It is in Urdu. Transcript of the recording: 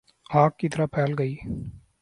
آگ کی طرح پھیل گئی